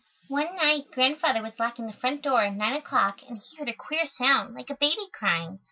One night Grandfather was locking the front door at nine o'clock and he heard a queer sound, like a baby crying.